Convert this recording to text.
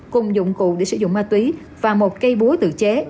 cùng dụng cụ để sử dụng ma túy và một cây búa tự chế